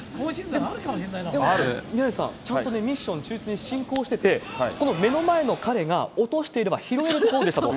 宮根さん、ちゃんとミッション進行してて、この目の前の彼が落としていれば拾えるところでしたと。